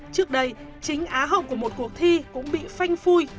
trước đây chính á hậu của một cuộc thi cũng bị phanh phui